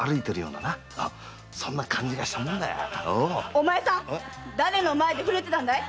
お前さん誰の前で震えてたんだい